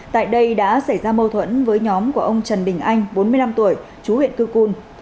tại đây đã xảy ra mâu thuẫn với nhóm của ông trần đình anh bốn mươi năm tuổi chú huyện cư cun